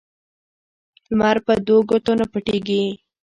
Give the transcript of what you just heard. لمر په دو ګوتو نه پټېږي